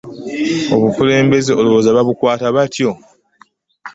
Obukulembeze olowooza babukwata batyo?